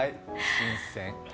新鮮。